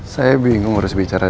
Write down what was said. saya bingung harus bicara